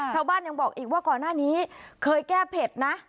ชาวบ้านยังบอกอีกว่าก่อนหน้านี้เคยแก้เผ็ดนะ